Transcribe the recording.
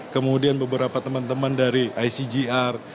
kemudian beberapa teman teman dari icgr